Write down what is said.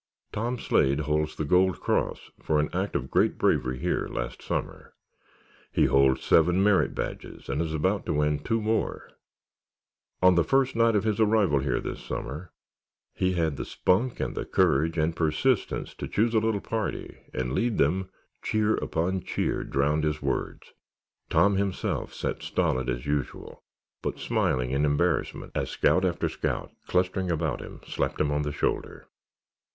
"Tom Slade holds the gold cross for an act of great bravery here last summer. He holds seven merit badges and is about to win two more. On the first night of his arrival here this summer, he had the spunk and the courage and persistence to choose a little party and lead them——" Cheer upon cheer drowned his words. Tom himself sat, stolid as usual, but smiling in embarrassment as scout after scout, clustering about him, slapped him on the shoulder.